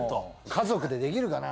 家族でできるかな？